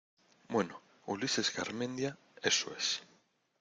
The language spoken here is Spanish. bueno, Ulises Garmendia... eso es .